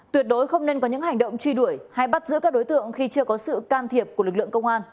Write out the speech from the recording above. tuyệt đối không nên có những hành động truy đuổi hay bắt giữ các đối tượng khi chưa có sự can thiệp của lực lượng công an